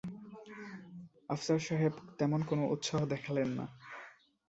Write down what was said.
আফসার সাহেব তেমন কোনো উৎসাহ দেখালেন না।